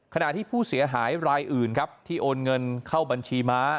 ขณะที่ผู้เสียหายรายอื่นครับที่โอนเงินเข้าบัญชีม้า